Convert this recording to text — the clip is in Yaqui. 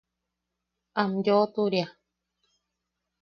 Am yoʼoturia.